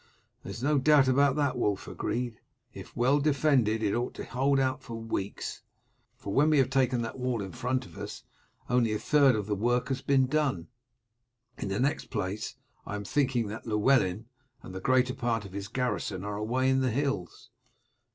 "There is no doubt about that," Wulf agreed. "If well defended it ought to hold out for weeks, for when we have taken that wall in front of us only a third of the work has been done. In the next place, I am thinking that Llewellyn and the greater part of his garrison are away in the hills."